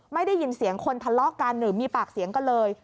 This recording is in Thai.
ไม่ได้ยินเสียงคนทะเลาะกันหรือมีปากเสียงกันเลย